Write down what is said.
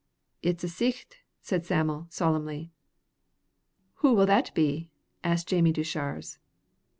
"It's a sicht," said Sam'l, solemnly. "Hoo will that be?" asked Jamie Deuchars.